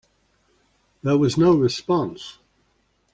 There was no response.